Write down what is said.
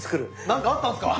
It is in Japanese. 何かあったんすか？